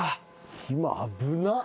今危なっ。